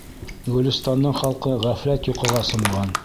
Гөлөстандың халҡы ғәфләт йоҡоға сумған.